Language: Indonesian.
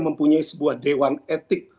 mempunyai sebuah dewan etik